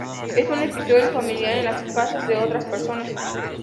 Es un episodio familiar en las casas de otras personas".